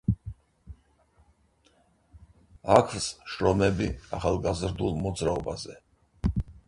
აქვს შრომები ახალგაზრდულ მოძრაობაზე.